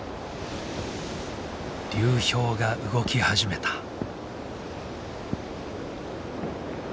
流氷が動き始めた。